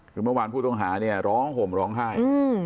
คือเมื่อวานผู้ต้องหาเนี่ยร้องห่มร้องไห้